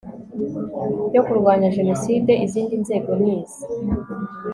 yo kurwanya jenoside izindi nzego ni izi